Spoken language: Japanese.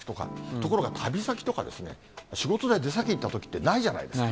ところが旅先とか、仕事で出先行ったときって、ないじゃないですか。